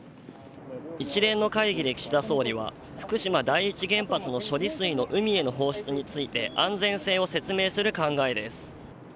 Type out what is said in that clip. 一連の会議で岸田総理は福島第一原発の処理水の海への放出について安全性を説明する考えです。